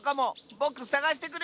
ぼくさがしてくる！